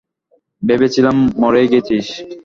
ভেবেছিলাম মরেই গেছিস।